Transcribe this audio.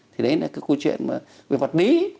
thì đấy là cái câu chuyện về mặt lý